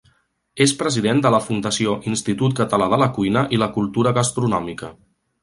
És president de la Fundació Institut Català de la Cuina i la Cultura Gastronòmica.